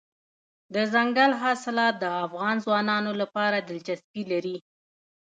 دځنګل حاصلات د افغان ځوانانو لپاره دلچسپي لري.